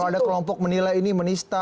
kalau ada kelompok menilai ini menista